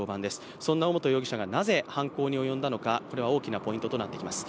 そんな尾本容疑者がなぜ犯行に及んだのか、大きなポイントとなっていきます。